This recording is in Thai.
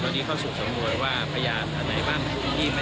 ตอนนี้เราก็พร้อมด้วยเหมือนกันใช่ไหมคะที่จะเตรียมนับ